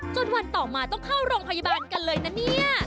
วันต่อมาต้องเข้าโรงพยาบาลกันเลยนะเนี่ย